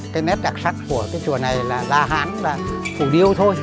cái nét đặc sắc của cái chùa này là la hán là phủ điêu thôi